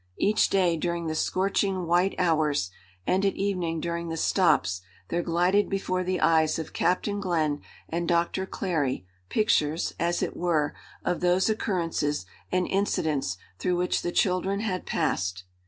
Each day during the scorching "white hours" and at evening during the stops there glided before the eyes of Captain Glenn and Doctor Clary pictures, as it were, of those occurrences and incidents through which the children had passed.